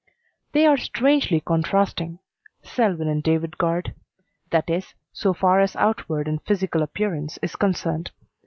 They are strangely contrasting Selwyn and David Guard. That is, so far as outward and physical appearance is concerned.